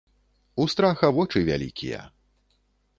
У страха вочы вялікія.